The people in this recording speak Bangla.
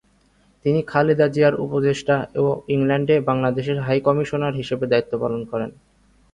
তিনি খালেদা জিয়ার উপদেষ্টা ও ইংল্যান্ডে বাংলাদেশের হাইকমিশনার হিসেবে দায়িত্ব পালন করেন।